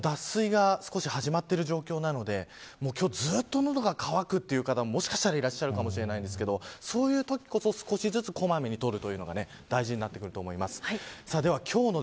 脱水が少し始まっている状況なので今日はずっと喉が渇くという方ももしかしたらいらっしゃるかもしれませんがそういうときこそ少しずつ小まめに取るのが大事になってくると思います。